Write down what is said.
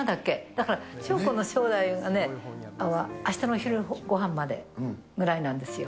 だから、翔子の将来はね、あしたのお昼ごはんまでぐらいなんですよ。